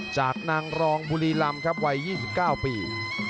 จากนางรองบุรีรำครับวัย๒๙ปี